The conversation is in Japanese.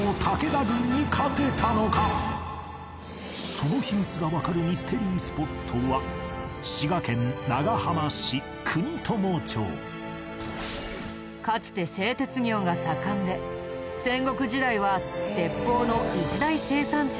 その秘密がわかるミステリースポットはかつて製鉄業が盛んで戦国時代は鉄砲の一大生産地だったみたい。